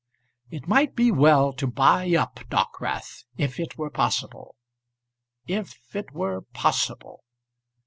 It might be well to buy up Dockwrath, if it were possible. If it were possible!